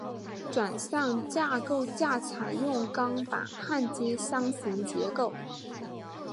转向架构架采用钢板焊接箱型结构。